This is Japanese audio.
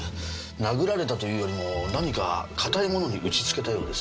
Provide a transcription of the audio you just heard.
殴られたというよりも何か硬いものに打ちつけたようです。